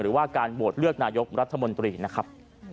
หรือว่าการโหวตเลือกนายกรัฐมนตรีนะครับ